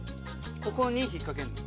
ここに引っ掛けるの？